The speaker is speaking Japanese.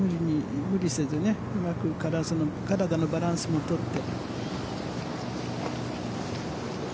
無理せずうまく体のバランスも取って。